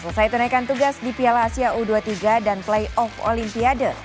selesai tunaikan tugas di piala asia u dua puluh tiga dan playoff olimpiade